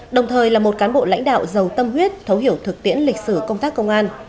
đồng thời là một cán bộ lãnh đạo giàu tâm huyết thấu hiểu thực tiễn lịch sử công tác công an